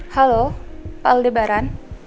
halo pak aldebaran